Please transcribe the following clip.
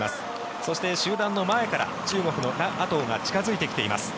そして、集団の前から中国のラ・アトウが近付いてきています。